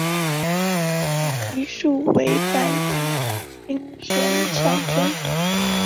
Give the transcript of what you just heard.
菩提树为板中的精神象征。